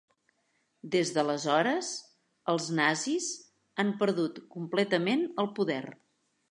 Des d'aleshores, els nazis han perdut completament el poder.